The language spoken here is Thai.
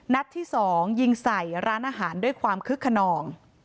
นัดที่๒ยิงใส่ร้านอาหารด้วยความคึกขนอง